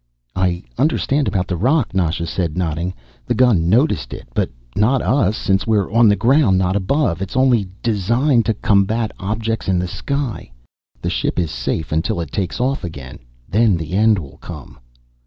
"I understand about the rock," Nasha said, nodding. "The gun noticed it, but not us, since we're on the ground, not above. It's only designed to combat objects in the sky. The ship is safe until it takes off again, then the end will come."